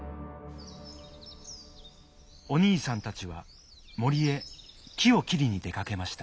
おにいさんたちはもりへきをきりにでかけました。